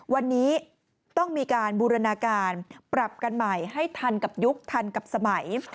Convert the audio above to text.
วันนี้ต้องมีการบูรณาการปรับกันใหม่ให้ทันกับยุคทันกับสมัย